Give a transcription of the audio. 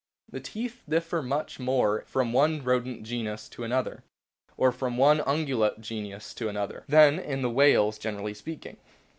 The teeth differ much more in form from one Rodent genus to another, or from one Ungulate genus to another, than in the whales, generally speaking.